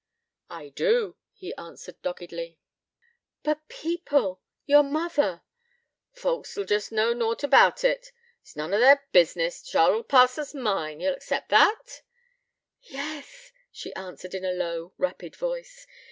'I do,' he answered doggedly. 'But people your mother ?' 'Folks 'ull jest know nought about it. It's none o' their business. T' child 'ull pass as mine. Ye'll accept that?' 'Yes,' she answered, in a low, rapid voice.